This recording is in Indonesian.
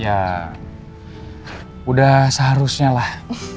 ya udah seharusnya lah